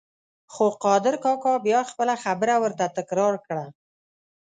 خو قادر کاکا بیا خپله خبره ورته تکرار کړه.